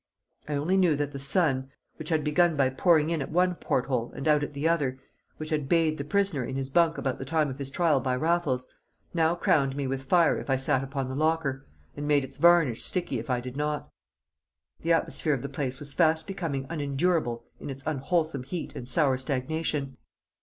I only knew that the sun, which had begun by pouring in at one port hole and out at the other, which had bathed the prisoner in his bunk about the time of his trial by Raffles, now crowned me with fire if I sat upon the locker, and made its varnish sticky if I did not. The atmosphere of the place was fast becoming unendurable in its unwholesome heat and sour stagnation.